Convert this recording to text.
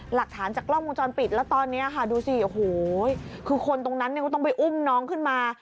หลักฐานจากกล้องวงจรปิดแล้วตอนนี้ค่ะดูสิโอ้โหคือคนตรงนั้นเนี่ยก็ต้องไปอุ้มน้องขึ้นมา